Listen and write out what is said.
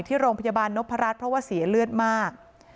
ที่โรงพยาบาลนพรัชเพราะว่าเสียเลือดมาก